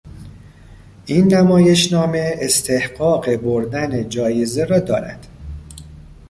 این نمایشنامه استحقاق بردن جایزه را دارد.